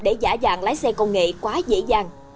để giả dạng lái xe công nghệ quá dễ dàng